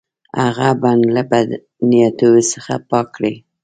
هغه بڼ له بد نیتو څخه پاک کړي.